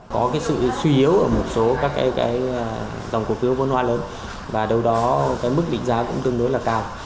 có cái sự suy yếu ở một số các cái dòng cổ phiếu vôn hoa lớn và đâu đó cái mức định giá cũng tương đối là cao